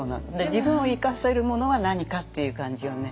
自分を生かせるものは何かっていう感じをね